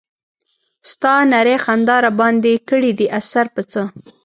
ستا نرۍ خندا راباندې کړے دے اثر پۀ څۀ